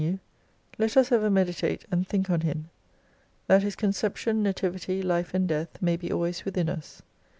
78 you, let us ever meditate and think on Him, that His conception, nativity, life and death may be always within us.